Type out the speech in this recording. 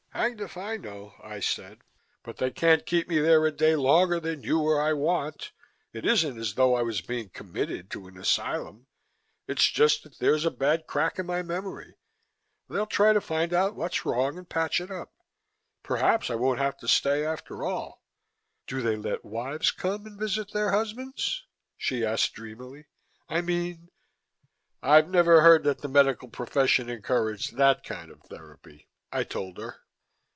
"Hanged if I know," I said, "but they can't keep me there a day longer than you or I want. It isn't as though I was being committed to an asylum. It's just that there's a bad crack in my memory. They'll try to find out what's wrong and patch it up. Perhaps I won't have to stay after all." "Do they let wives come and visit their husbands?" she asked dreamily. "I mean " "I've never heard that the medical profession encouraged that kind of therapy," I told her.